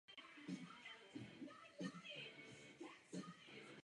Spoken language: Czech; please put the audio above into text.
Při své následné obnově už byly zahrady budovány v barokní úpravě.